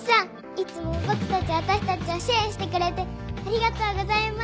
いつも僕たち私たちを支援してくれてありがとうございます。